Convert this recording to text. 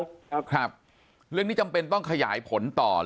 เรื่องที่จำเป็นควรใช้ประมาณต่อขยายผล